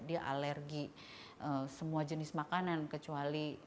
dia alergi semua jenis makanan kecuali nasi dan kentang